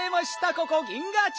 ここ銀河町。